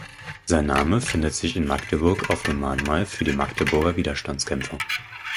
Sein Name findet sich in Magdeburg auf dem Mahnmal für die Magdeburger Widerstandskämpfer.